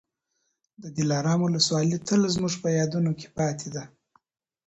د دلارام ولسوالي تل زموږ په یادونو کي پاتې ده.